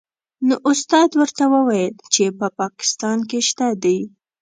نو استاد ورته وویل چې په پاکستان کې شته دې.